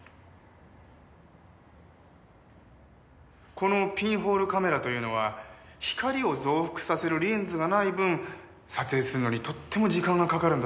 このピンホールカメラというのは光を増幅させるレンズがない分撮影するのにとっても時間がかかるんだそうですね。